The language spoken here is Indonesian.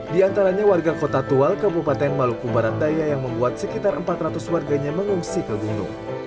di antaranya warga kota tual kabupaten maluku barat daya yang membuat sekitar empat ratus warganya mengungsi ke gunung